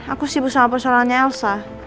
aku sibuk sama persoalannya elsa